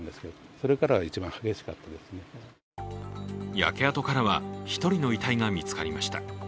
焼け跡からは、１人の遺体が見つかりました。